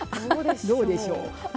どうでしょう？